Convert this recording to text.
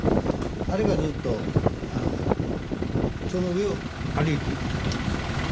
あれがずっとその上を歩いていっとったんですわ。